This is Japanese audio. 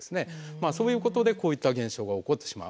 まあそういうことでこういった現象が起こってしまう。